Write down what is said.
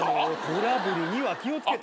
トラブルには気を付けて。